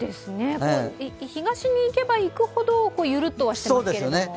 東に行けば行くほどゆるっとはしていますけれども。